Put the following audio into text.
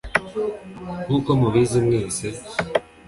nk’uko mubizi mwese